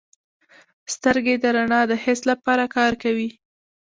سترګې د رڼا د حس لپاره کار کوي.